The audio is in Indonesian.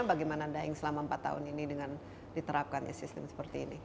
bagaimana daeng selama empat tahun ini dengan diterapkannya sistem seperti ini